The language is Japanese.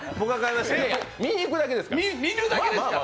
見に行くだけですから。